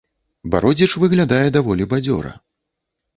Бародзіч выглядае даволі бадзёра.